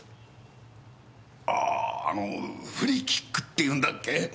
あああのフリーキックっていうんだっけ？